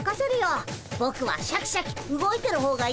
ぼくはシャキシャキ動いてる方がいいんだ。